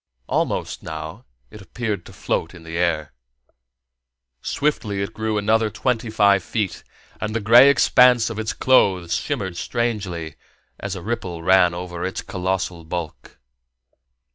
Almost, now, it appeared to float in the air. Swiftly it grew another twenty five feet, and the gray expanse of its clothes shimmered strangely as a ripple ran over its colossal bulk.